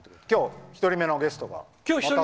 今日１人目のゲストが。